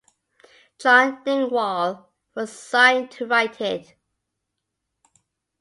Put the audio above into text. John Dingwall was signed to write it.